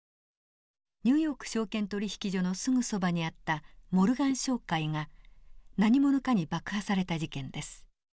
ニューヨーク証券取引所のすぐそばにあったモルガン商会が何者かに爆破された事件です。